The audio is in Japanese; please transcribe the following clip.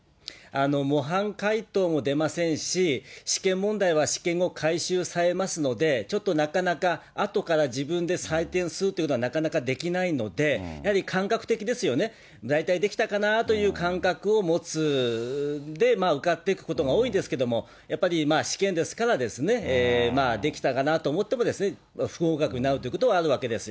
模範解答も出ませんし、試験問題は試験後回収されますので、ちょっとなかなか、あとから自分で採点するということはなかなかできないので、やはり感覚的ですよね、大体できたかなという感覚を持つ、で、受かっていくことが多いですけども、やっぱりまあ、試験ですからね、できたかなと思っても、不合格になるということはあるわけですよ